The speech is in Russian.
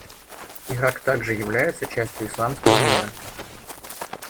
Ирак также является частью исламского мира.